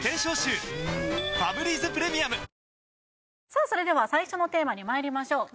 さあそれでは最初のテーマにまいりましょう